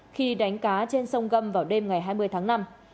khi đánh cá trên sông gâm vào đêm ngày hai mươi tháng năm